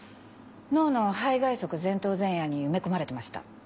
脳の背外側前頭前野に埋め込まれてました。